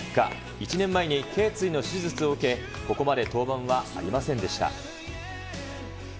１年前にけい椎の手術を受け、ここまで登板はありませんでした。